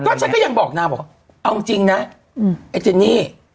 ฉันก็ยังบอกนางบอกเอาจริงนะไอ้เจนนี่